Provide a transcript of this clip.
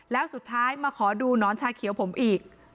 แล้วสุดท้ายมาขอดูหนอนชาเขียวผมอีก